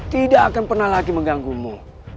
tidak akan pernah lagi mengganggumu